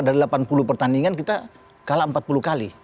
dari delapan puluh pertandingan kita kalah empat puluh kali